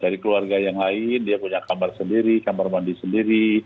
dari keluarga yang lain dia punya kamar sendiri kamar mandi sendiri